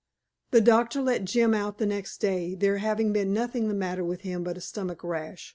The doctor let Jim out the next day, there having been nothing the matter with him but a stomach rash.